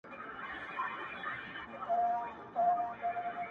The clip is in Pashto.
• و دربار ته یې حاضر کئ بېله ځنډه..